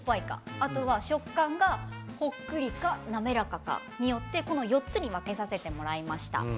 あとは食感がほっくりか滑らかかによって６つに分けさせていただきました。